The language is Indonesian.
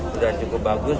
sudah cukup bagus